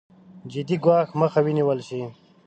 جدي ګواښ مخه ونېول شي.